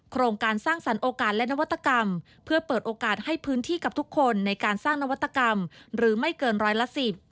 โครงการสร้างสรรคโอกาสและนวัตกรรมเพื่อเปิดโอกาสให้พื้นที่กับทุกคนในการสร้างนวัตกรรมหรือไม่เกินร้อยละสิบ